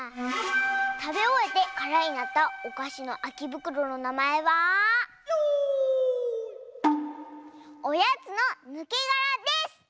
たべおえてからになったおかしのあきぶくろのなまえは「おやつのぬけがら」です！